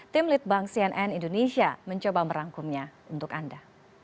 tim litbang cnn indonesia mencoba merangkumnya untuk anda